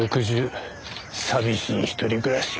寂しい一人暮らしか。